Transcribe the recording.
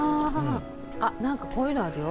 あっ何かこういうのあるよ。